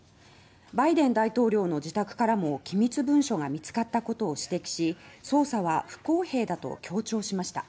バイデン大統領の自宅からも機密文書が見つかったことを指摘し捜査は不公平だと強調しました。